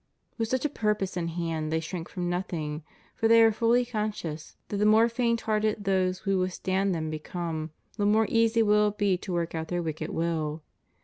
With such a purpose in hand they shrink from nothing ; for they are fully conscious that the more faint hearted those who withstand them become, the more easy will it be to work out their wicked will.